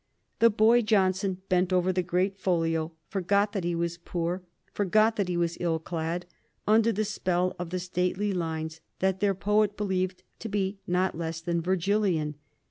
The boy Johnson, bent over the great folio, forgot that he was poor, forgot that he was ill clad, under the spell of the stately lines that their poet believed to be not less than Virgilian.